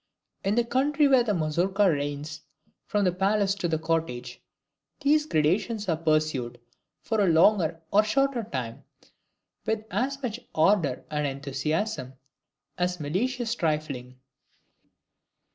In the country where the Mazourka reigns from the palace to the cottage, these gradations are pursued, for a longer or shorter time, with as much ardor and enthusiasm as malicious trifling.